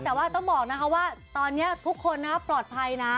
แต่ว่าต้องบอกนะคะว่าตอนนี้ทุกคนนะปลอดภัยนะ